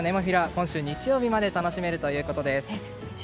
今週日曜日まで楽しめるということです。